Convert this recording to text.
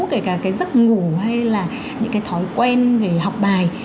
kể cả cái giấc ngủ hay là những cái thói quen về học bài